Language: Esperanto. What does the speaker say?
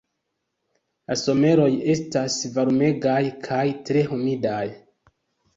La someroj estas varmegaj kaj tre humidaj.